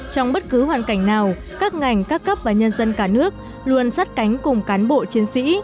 trong bất cứ hoàn cảnh nào các ngành các cấp và nhân dân cả nước luôn sắt cánh cùng cán bộ chiến sĩ